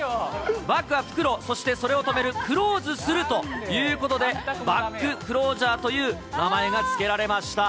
バッグは袋、そしてそれを留める、クローズするということで、バッグクロージャーという名前が付けられました。